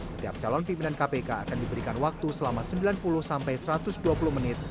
setiap calon pimpinan kpk akan diberikan waktu selama sembilan puluh sampai satu ratus dua puluh menit